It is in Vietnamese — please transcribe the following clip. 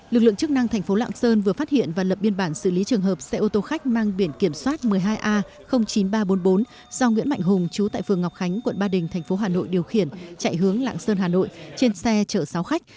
lực lượng chức năng thành phố lạng sơn vừa phát hiện và lập biên bản xử lý trường hợp xe ô tô khách mang biển kiểm soát một mươi hai a chín nghìn ba trăm bốn mươi bốn do nguyễn mạnh hùng chú tại phường ngọc khánh quận ba đình thành phố hà nội điều khiển chạy hướng lạng sơn hà nội trên xe chở sáu khách